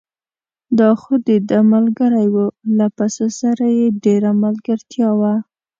دا خو دده ملګری و، له پسه سره یې ډېره ملګرتیا وه.